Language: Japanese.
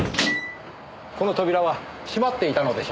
この扉は閉まっていたのでしょうか？